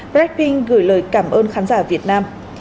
blackpink gửi lời cảm ơn khán giả việt nam